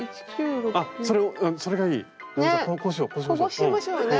こうしましょうね。